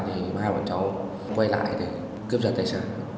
thì hai bọn cháu quay lại để cướp giật tài sản